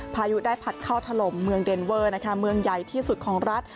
พายุได้ผัดเข้าถล่มเมืองเดนเวอร์นะคะเมืองใหญ่ที่สุดของรัฐ